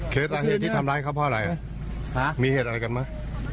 สาเหตุที่ทำร้ายเขาเพราะอะไรมีเหตุอะไรกันไหม